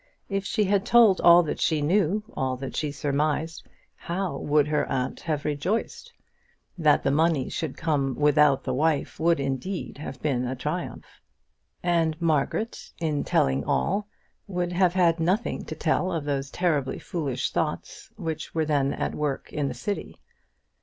If she had told all that she knew, all that she surmised, how would her aunt have rejoiced? That the money should come without the wife would indeed have been a triumph! And Margaret in telling all would have had nothing to tell of those terribly foolish thoughts which were then at work in the City.